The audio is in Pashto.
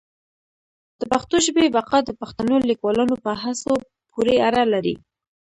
د پښتو ژبي بقا د پښتنو لیکوالانو په هڅو پوري اړه لري.